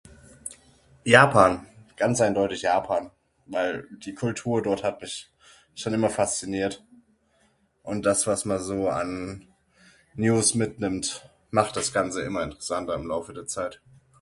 Japan, ganz eindeutig Japan weil die Kultur dort hat mich schon immer fasziniert und das was man so an News mitnimmt macht das ganze immer interessanter im Laufe der Zeit.